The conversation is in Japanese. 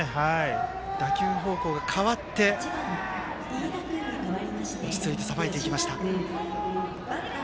打球方向が変わったが落ち着いてさばいていきました。